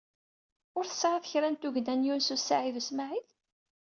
Ur tesɛiḍ kra n tugna n Yunes u Saɛid u Smaɛil?